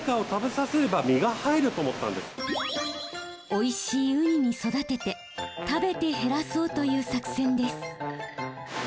おいしいウニに育てて食べて減らそうという作戦です。